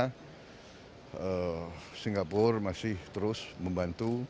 karena singapura masih terus membantu